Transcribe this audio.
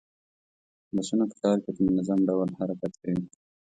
بسونه په ښار کې په منظم ډول حرکت کوي.